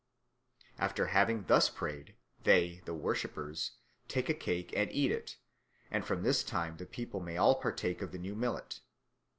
After having thus prayed, they, the worshippers, take a cake and eat it, and from this time the people may all partake of the new millet.